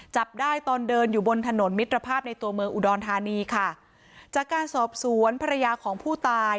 จับได้ตอนเดินอยู่บนถนนมิตรภาพในตัวเมืองอุดรธานีค่ะจากการสอบสวนภรรยาของผู้ตาย